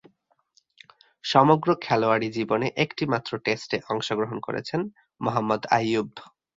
সমগ্র খেলোয়াড়ী জীবনে একটিমাত্র টেস্টে অংশগ্রহণ করেছেন মোহাম্মদ আইয়ুব।